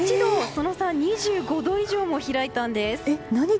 その差２５度以上も開いたんです。